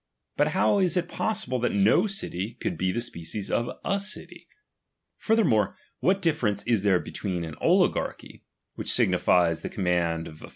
But how is it possible that no city should be the species of a city 9 Furthermore, what difference is there between an oligarchy, which signifies the command of n.